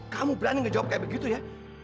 kamu berani ngejawab kayak begitu ya